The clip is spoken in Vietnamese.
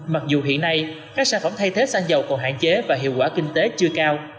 mặc dù hiện nay các sản phẩm thay thế xăng dầu còn hạn chế và hiệu quả kinh tế chưa cao